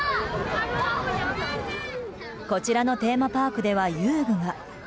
こちらのテーマパークでは遊具が。